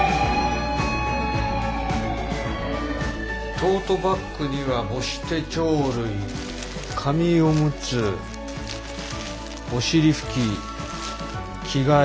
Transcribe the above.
トートバッグには母子手帳類紙オムツお尻拭き着替え。